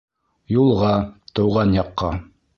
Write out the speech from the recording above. Юлға, тыуған яҡҡа!